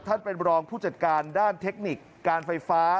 ท่านเป็นรองผู้จัดการด้านเทคนิคการไฟฟ้า